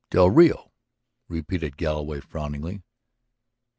"Del Rio?" repeated Galloway frowningly.